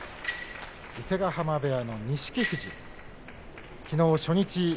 伊勢ヶ濱部屋の錦富士きのう初日。